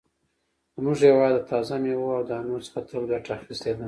زموږ هېواد د تازه مېوو او دانو څخه تل ګټه اخیستې ده.